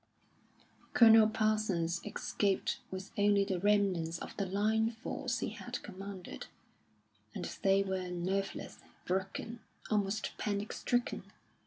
Colonel Parsons escaped with only the remnants of the fine force he had commanded, and they were nerveless, broken, almost panic stricken.